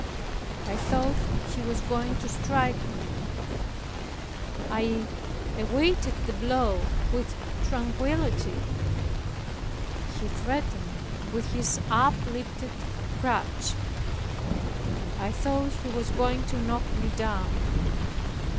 I thought he was going to strike me; I awaited the blow with tranquillity; he threatened with his up lifted crutch; I thought he was going to knock me down.